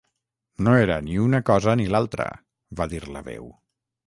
"No era ni una cosa ni l'altra", va dir la veu.